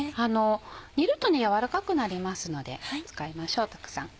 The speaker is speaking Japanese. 煮ると軟らかくなりますので使いましょうたくさん。